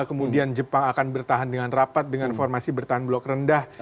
kemudian jepang akan bertahan dengan rapat dengan formasi bertahan blok rendah